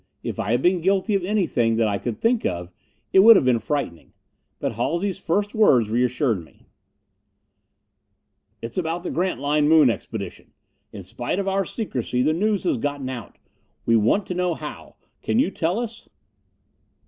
If I had been guilty of anything that I could think of, it would have been frightening. But Halsey's first words reassured me. "It's about the Grantline Moon Expedition. In spite of our secrecy, the news has gotten out. We want to know how. Can you tell us?"